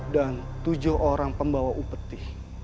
dan tujuh orang pembawa upeti